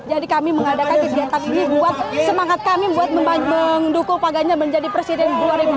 jadi kami mengadakan kegiatan ini buat semangat kami buat mendukung pak ganjar menjadi presiden dua ribu dua puluh empat